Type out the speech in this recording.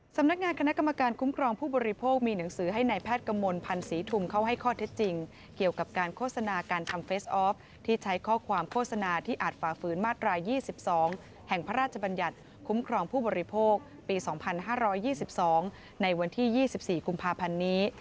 สำนักงานคณะกรรมการคุ้มครองผู้บริโภคมีหนังสือให้นายแพทย์กระมวลพันธ์ศรีทุมเข้าให้ข้อเท็จจริงเกี่ยวกับการโฆษณาการทำเฟสออฟที่ใช้ข้อความโฆษณาที่อาจฝ่าฝืนมาตราย๒๒แห่งพระราชบัญญัติคุ้มครองผู้บริโภคปี๒๕๒๒ในวันที่๒๔กุมภาพันธ์นี้